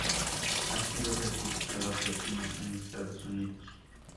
Ha sido certificado Platino en Estados Unidos.